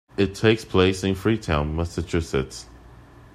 It takes place in Freetown, Massachusetts.